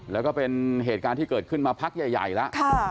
แล้วก็เป็นเหตุการณ์ที่เกิดขึ้นมาพักใหญ่แล้ว